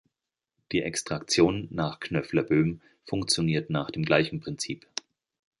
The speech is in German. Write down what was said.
Die Extraktion nach Knöfler-Böhm funktioniert nach dem gleichen Prinzip.